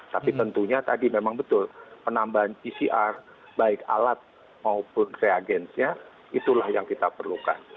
tapi tentunya tadi memang betul penambahan pcr baik alat maupun reagensnya itulah yang kita perlukan